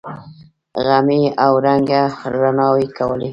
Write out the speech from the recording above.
غمي اوه رنگه رڼاوې کولې.